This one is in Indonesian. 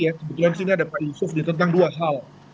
sebetulnya di sini ada pak yusuf tentang dua hal